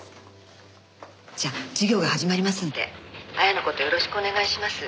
じゃあ授業が始まりますんで亜矢の事よろしくお願いします。